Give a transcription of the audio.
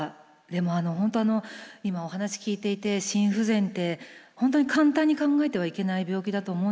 でも本当今お話聞いていて心不全って本当に簡単に考えてはいけない病気だと思うんですけど